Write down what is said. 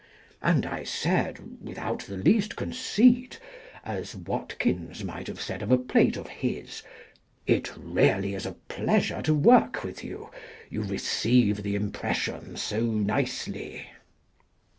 And I said, without the least conceit (as Watkins might have said of a plate of his) " it really is a pleasure to work with you, you receive the impression so nicely."